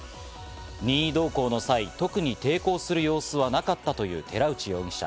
任意同行の際、特に抵抗する様子はなかったという寺内容疑者。